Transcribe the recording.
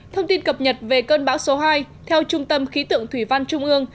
thông tin cập nhật về cơn bão số hai theo trung tâm khí tượng thủy văn trung ương